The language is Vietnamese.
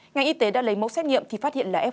ngành y tế đã lấy mẫu xét nghiệm thì phát hiện là f một